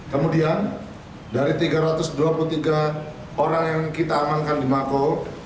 kemudian dari tiga ratus dua puluh tiga orang yang kita amankan di mako